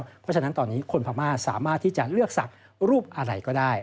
เพราะฉะนั้นตอนนี้คนพม่าสามารถที่จะเลือกศักดิ์รูปอะไรก็ได้